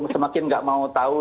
semakin gak mau tahu